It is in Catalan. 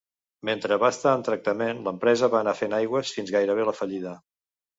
Mentre va estar en tractament l'empresa va anar fent aigües fins gairebé la fallida.